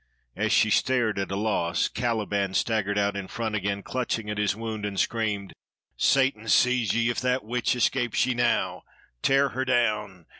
As she stared, at a loss, Caliban staggered out in front again, clutching at his wound, and screamed: "Satan seize ye if that witch escapes ye now! Tear her down!